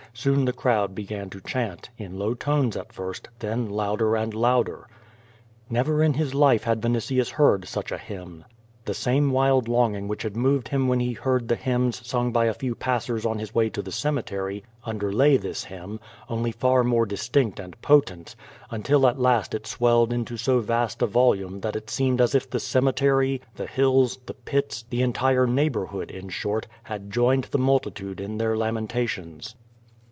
Soon the crowd began to chant, in low tones at first, then louder and louder. Never in his life had Vinitius heard such a hymn. The same wild longing which had moved him when he heard the hymns sung by a few passers on his way to the cemetery un derlay this hymn, only far more distinct and potent, until at last it swelled into so vast a volume that it seemed as if the cemetery, the hills, the pits, the entire neighborhood, in short, had joined the multitude in their lamentations.